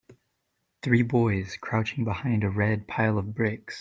Three boys crouching behind a red pile of bricks.